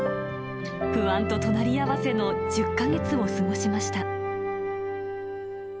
不安と隣り合わせの１０か月を過ごしました。